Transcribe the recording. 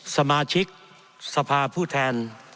สมาชิกสภาผู้แทน